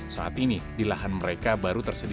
saat ini di lahan mereka baru tersedia